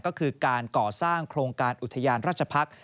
ก็คือการก่อสร้างโครงการอุทยานราชพักษ์